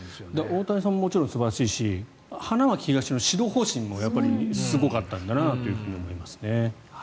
大谷さんももちろん素晴らしいし花巻東の指導方針もすごかったんだなと思いますね。